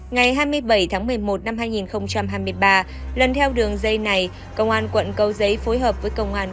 ngày hai mươi bảy tháng một mươi một năm hai nghìn hai mươi ba lần theo đường dây này công an quận cầu giấy phối hợp với công an quận cầu giấy